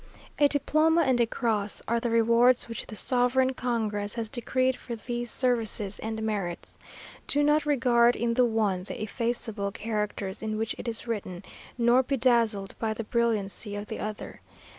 "A diploma and a cross are the rewards which the sovereign congress has decreed for these services and merits. Do not regard in the one the effaceable characters in which it is written, nor be dazzled by the brilliancy of the other.